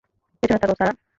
পেছনে তাকাও, সারা।